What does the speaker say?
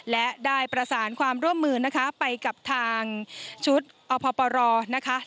และได้ประสานความร่วมมือนะคะไปกับทางชุดอพปรนะคะ